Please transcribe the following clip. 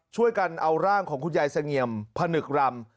ช่วยกันเอาร่างของคุณยายเสงี่ยมผนึกรำ